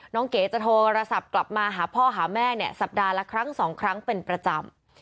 เก๋จะโทรศัพท์กลับมาหาพ่อหาแม่เนี่ยสัปดาห์ละครั้งสองครั้งเป็นประจำ